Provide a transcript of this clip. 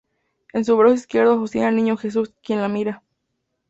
En su brazo izquierdo sostiene al Niño Jesús, quien la mira.